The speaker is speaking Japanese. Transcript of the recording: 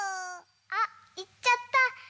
あいっちゃった。